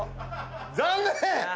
⁉残念！